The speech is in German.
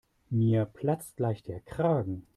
Mir platzt gleich der Kragen.